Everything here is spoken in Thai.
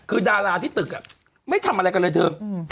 คือดาราที่ตึกไม่ทำอะไรกันเลยเถอะ